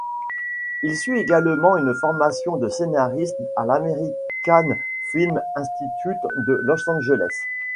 Il suit également une formation de scénariste à l'American Film Institute de Los Angeles.